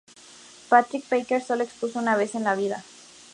Patrick Bakker solo expuso una vez en vida.